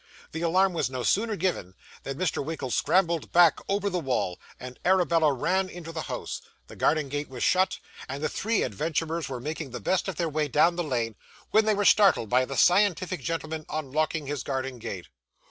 The alarm was no sooner given, than Mr. Winkle scrambled back over the wall, and Arabella ran into the house; the garden gate was shut, and the three adventurers were making the best of their way down the lane, when they were startled by the scientific gentleman unlocking his garden gate.